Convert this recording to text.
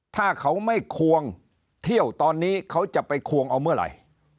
ถ้าเขาไม่ควงเที่ยวตอนนี้เขาจะไปควงเอาเมื่อไหร่